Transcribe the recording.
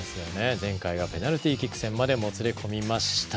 前回はペナルティーキック戦までもつれ込みました。